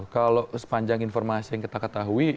kalau sepanjang informasi yang kita ketahui